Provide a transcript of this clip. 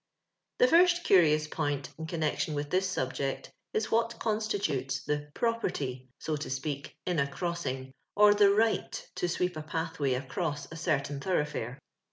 The first curious point in connexion with this subject is what constitutes the " property^'* so to speak, in a crossing, or the riyht to sweep a pathway across a certain thoroughfare.